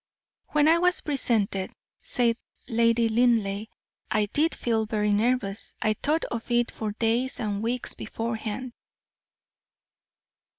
"When I was presented," said Lady Linleigh, "I did feel very nervous. I thought of it for days and weeks beforehand."